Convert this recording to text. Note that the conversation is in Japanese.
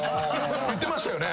言ってましたよね？